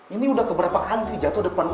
ini udah keberapa kali jatuh depan gue